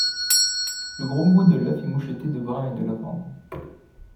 Le gros bout de l'œuf est moucheté de brun et de lavande.